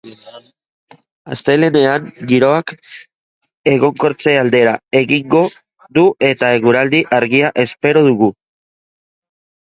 Astelehenean, giroak egonkortze aldera egingo du eta eguraldi argia espero dugu.